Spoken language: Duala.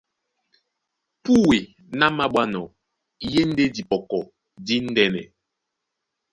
Púe ná māɓwánɔ́ í e ndé dipɔkɔ díndɛ́nɛ.